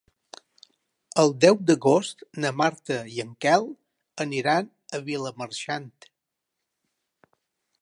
El deu d'agost na Marta i en Quel aniran a Vilamarxant.